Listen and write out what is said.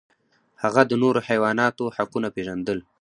هغه د نورو حیواناتو حقونه پیژندل.